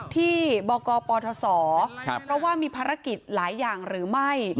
ที่บกปทศเพราะว่ามีภารกิจหลายอย่างหรือไม่